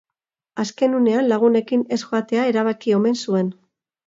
Azken unean lagunekin ez joatea erabaki omen zuen.